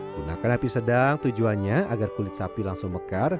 gunakan api sedang tujuannya agar kulit sapi langsung mekar